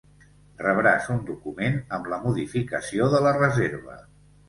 Rebràs un document amb la modificació de la reserva.